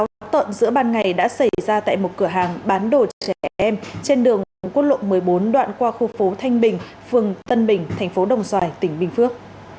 táo tợn giữa ban ngày đã xảy ra tại một cửa hàng bán đồ trẻ em trên đường quốc lộ một mươi bốn đoạn qua khu phố thanh bình phường tân bình thành phố đồng xoài tỉnh bình phước